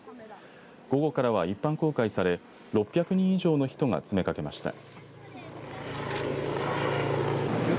午後からは一般公開され６００人以上の人が詰めかけました。